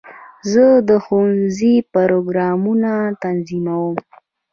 زه د ښوونځي پروګرامونه تنظیموم.